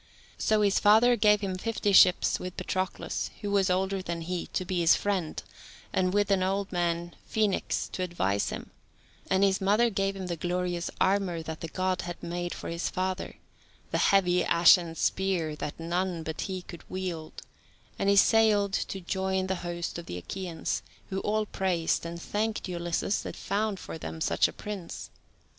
So his father gave him fifty ships, with Patroclus, who was older than he, to be his friend, and with an old man, Phoenix, to advise him; and his mother gave him the glorious armour that the God had made for his father, and the heavy ashen spear that none but he could wield, and he sailed to join the host of the Achaeans, who all praised and thanked Ulysses that had found for them such a prince.